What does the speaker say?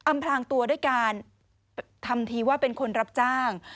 พลางตัวด้วยการทำทีว่าเป็นคนรับจ้าง